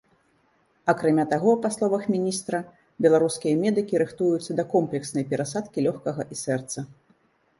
Акрамя таго, па словах міністра, беларускія медыкі рыхтуюцца да комплекснай перасадкі лёгкага і сэрца.